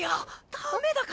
ダメだから！